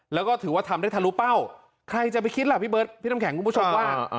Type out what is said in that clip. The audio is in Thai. แล้วก็ถือว่าทำได้ทะลุเป้าใครจะไปคิดล่ะพี่เบิร์ดพี่น้ำแข็งคุณผู้ชมว่า